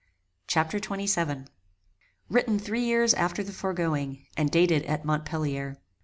Chapter XXVII [Written three years after the foregoing, and dated at Montpellier.